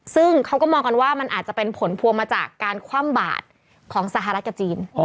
ซึ่งเขาก็มองกันว่ามันอาจจะเป็นผลพวงมาจากการคว่ำบาดของสหรัฐกับจีน